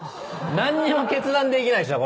何にも決断できないっしょ。